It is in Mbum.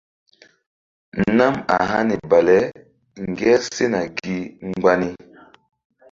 Nam a hani bale ŋger sena gi mgba ni.